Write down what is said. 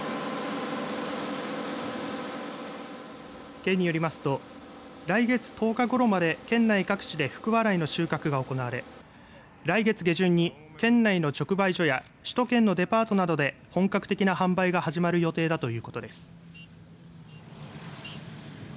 県によりますと来月１０日ごろまで県内各地で福、笑いの収穫が行われ来月下旬に県内の直売所や首都圏のデパートなどで本格的な販売が始まる予定だということです。